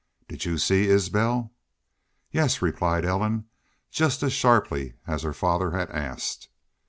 "Did y'u see Isbel?" "Yes," replied Ellen, just as sharply as her father had asked.